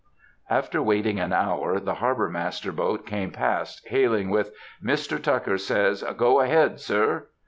After waiting an hour, the Harbor master's boat came past, hailing with "Mr. Tucker says, 'Go ahead,' sir!"